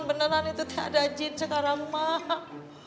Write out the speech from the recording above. beneran itu teh ada jin sekarang mak